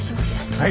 はい。